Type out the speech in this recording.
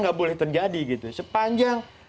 nggak boleh terjadi gitu sepanjang